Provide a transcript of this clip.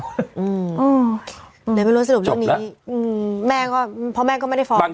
วงแตกอืมหรือไม่รู้สรุปเรื่องนี้จบแล้วอืมแม่ก็พ่อแม่ก็ไม่ได้ฟอร์ม